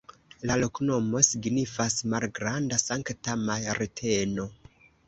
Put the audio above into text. La loknomo signifas: malgranda-Sankta Marteno.